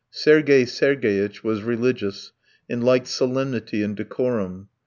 Sergey Sergeyitch was religious, and liked solemnity and decorum.